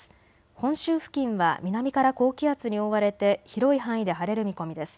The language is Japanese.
本州付近は南から高気圧に覆われて広い範囲で晴れる見込みです。